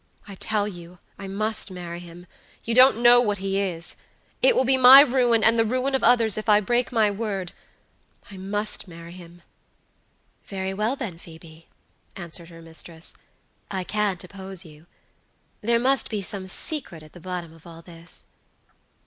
I tell you I must marry him. You don't know what he is. It will be my ruin, and the ruin of others, if I break my word. I must marry him!" "Very well, then, Phoebe," answered her mistress, "I can't oppose you. There must be some secret at the bottom of all this."